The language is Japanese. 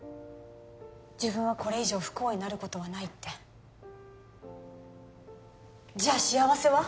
「自分はこれ以上不幸になることはない」ってじゃ幸せは？